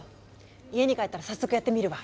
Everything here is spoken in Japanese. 家に帰ったら早速やってみるわ！